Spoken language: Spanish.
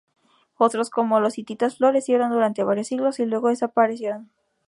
Otros, como los hititas, florecieron durante varios siglos y luego desaparecieron.